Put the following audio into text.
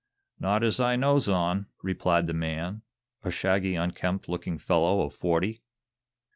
"Not as I knows on," replied the man, a shaggy, unkempt looking fellow of forty.